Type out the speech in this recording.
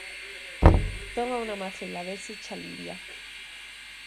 Toma unha macela a ver se che alivia.